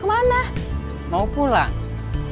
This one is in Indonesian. loh bukannya rumah kamu jauh dari sini